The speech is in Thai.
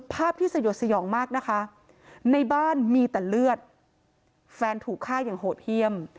ภาพที่สยดสยองมากนะคะในบ้านมีแต่เลือดแฟนถูกฆ่าอย่างโหดเยี่ยม